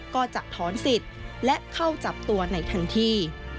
ก็จะถอนสิทธิ์และเข้าจับตัวในทันที